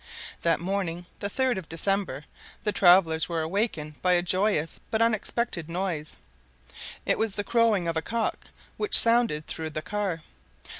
That morning, the 3rd of December, the travelers were awakened by a joyous but unexpected noise; it was the crowing of a cock which sounded through the car.